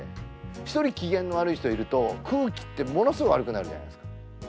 一人機嫌の悪い人いると空気ってものすごい悪くなるじゃないですか。